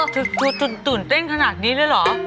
ฝูนเต้นขนาดนี่เลยหรอ